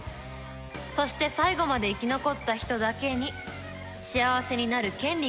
そして最後まで生き残った人だけに幸せになる権利が与えられる。